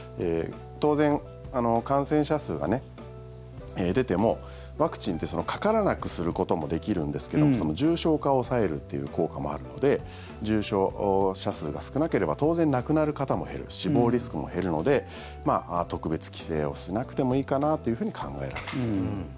当然、感染者数が出てもワクチンってかからなくすることもできるんですけど重症化を抑えるという効果もあるので重症者数が少なければ当然、亡くなる方も減る死亡リスクも減るので特別、規制をしなくてもいいかなと考えられています。